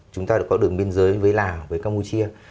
chúng ta có một đường biên giới với lào với campuchia